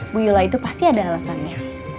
bu yola itu pasti ada alasannya